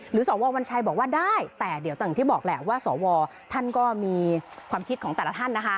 สววัญชัยบอกว่าได้แต่เดี๋ยวต่างที่บอกแหละว่าสวท่านก็มีความคิดของแต่ละท่านนะคะ